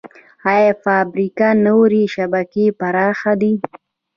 آیا فایبر نوري شبکه پراخه ده؟